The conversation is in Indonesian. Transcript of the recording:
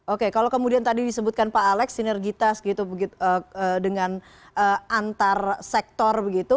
oke kalau kemudian tadi disebutkan pak alex sinergitas gitu dengan antar sektor begitu